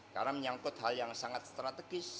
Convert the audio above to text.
karena menyangkut hal yang sangat strategis